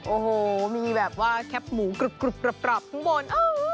โอ้โหมีแบบว่าแคปหมูกรุบปรับข้างบน